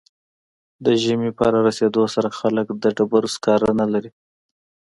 د ژمي په رارسیدو سره خلک د ډبرو سکاره نلري